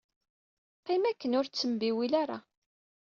Qqim akken ur ttembiwil ara!